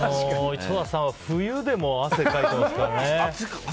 井戸田さんは冬でも汗かいてますからね。